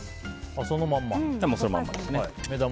そのまんまです。